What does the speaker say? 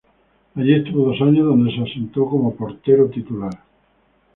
Allí estuvo dos años, donde se asentó como portero titular.